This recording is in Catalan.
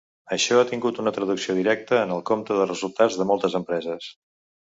Això ha tingut una traducció directa en el compte de resultats de moltes empreses.